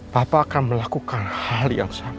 papa akan melakukan hal yang sama